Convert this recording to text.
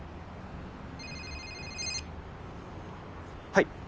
はい。